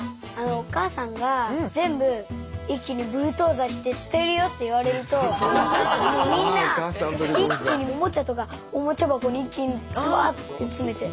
お母さんが全部一気にブルドーザーして捨てるよって言われるとみんな一気におもちゃとかおもちゃ箱に一気にずばって詰めて。